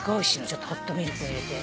ちょっとホットミルクに入れて。